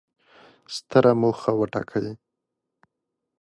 ستره موخه وټاکئ!